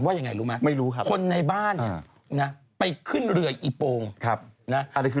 เขาไม่รู้เหมือนกัน